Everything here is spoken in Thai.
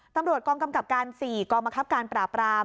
ตำรวจกองกำกับการ๔กองบังคับการปราบราม